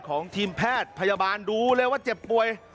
ของทีมแพทย์พยาบาลดูเลยว่าเจ็บป่วย